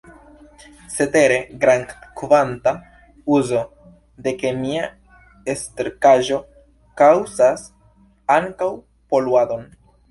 Cetere, grandkvanta uzo de kemia sterkaĵo kaŭzas ankaŭ poluadon.